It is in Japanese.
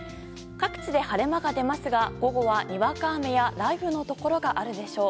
各地で晴れ間が出ますが午後は、にわか雨や雷雨のところがあるでしょう。